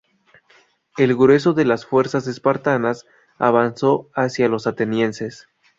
El grueso de las fuerzas espartanas avanzó hacia los atenienses.